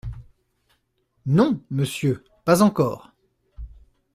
Non, monsieur, pas encore.